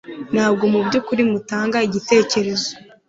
Ntabwo mu byukuri mutanga igitekerezo